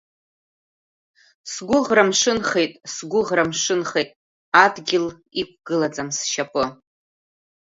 Сгәыӷра мшынхеит, сгәыӷра мшынхеит, адгьыл иқәгылаӡам сшьапы.